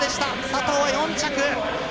佐藤は４着。